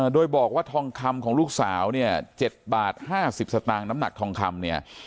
โดยบอกว่าทองคำของลูกสาวเนี่ย๗บาท๕๐สตางค์น้ำหนักทองคำเนี่ย